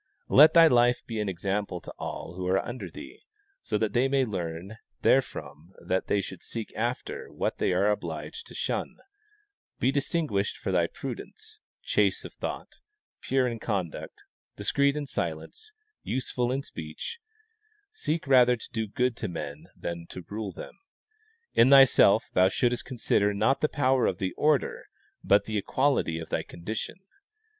Let thy life be an ex ample to all who are under thee, so that they may learn there from what they should seek after and what thej^ are obliged to shun; be distinguished for thy prudence, chaste of thought, pure in thy conduct, discreet in silence, useful in speech ; seek rather to do good to men than to rule them. In thyself thou shouldst consider not the power of order, but the equality of thy condition.